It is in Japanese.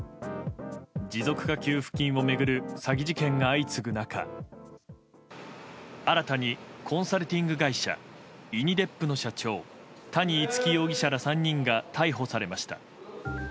持続化給付金を巡る詐欺事件が相次ぐ中新たに、コンサルティング会社ｉＮｉＤＥＰの社長谷逸輝容疑者ら３人が逮捕されました。